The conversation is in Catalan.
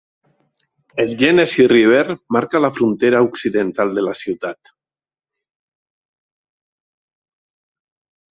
El Genesee River marca la frontera occidental de la ciutat.